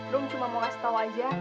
rom cuma mau kasih tau aja